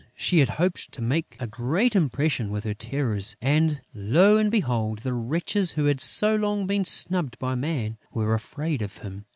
She had hoped to make a great impression with her Terrors; and, lo and behold, the wretches, who had so long been snubbed by Man, were afraid of him!